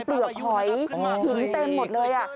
เปลือกหอยหินเต็มหมดเลย